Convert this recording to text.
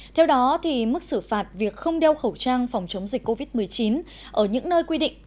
theo đó mức xử phạt việc không đeo khẩu trang phòng chống dịch covid một mươi chín ở những nơi quy định